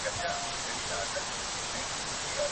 چي مرگى سته، ښادي نسته.